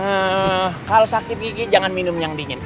eh kalau sakit gigi jangan minum yang dingin